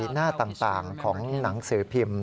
หน้าต่างของหนังสือพิมพ์